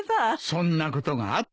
そんなことがあったな。